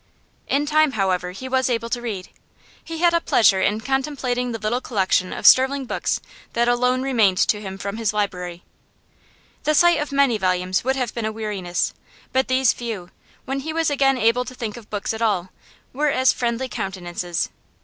In time, however, he was able to read. He had a pleasure in contemplating the little collection of sterling books that alone remained to him from his library; the sight of many volumes would have been a weariness, but these few when he was again able to think of books at all were as friendly countenances.